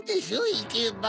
いけば。